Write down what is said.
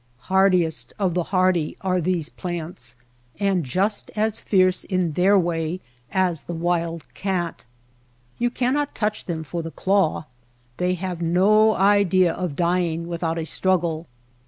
Hardiest of the hardy are these plants and just as fierce in their way as the wild cat. You can not touch them for the claw. They have no idea of dying without a struggle.